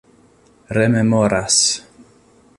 rememoras